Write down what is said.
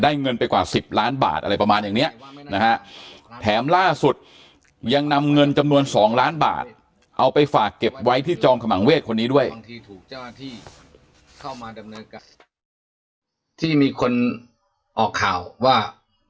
จะได้เงินไปกว่า๑๐ล้านบาทอะไรประมาณอย่างนี้นะฮะแถมล่าสุดยังนำเงินจำนวน๒ล้านบาทเอาไปฝากเก็บไว้ที่จองขมังเวทย์คนนี้ด้วยที่เข้ามาที่มีคนออกข่าวว่า